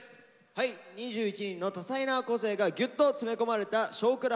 はい２１人の多彩な個性がぎゅっと詰め込まれた「少クラ」